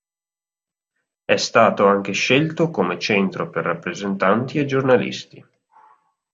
È stato anche scelto come centro per rappresentanti e giornalisti.